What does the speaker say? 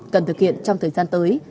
cần thực hiện trong thời gian tới